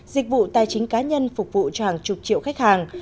dịch vụ tài chính cá nhân phục vụ cho hàng chục triệu khách hàng